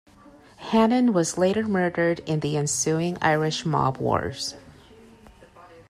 Hannon was later murdered in the ensuing Irish Mob wars.